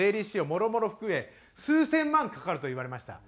もろもろ含め数千万かかると言われました。